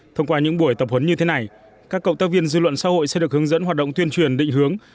thông qua những buổi tập huấn như thế này các cộng tác viên dư luận xã hội sẽ được hướng dẫn hoạt động tuyên truyền định hướng